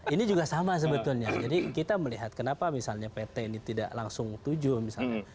ini juga sama sebetulnya jadi kita melihat kenapa misalnya pt ini tidak langsung tujuh misalnya